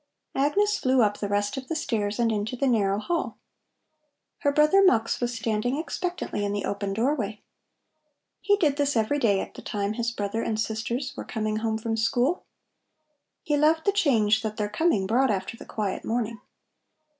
Agnes flew up the rest of the stairs and into the narrow hall. Her brother Mux was standing expectantly in the open doorway. He did this every day at the time his brother and sisters were coming home from school. He loved the change that their coming brought after the quiet morning.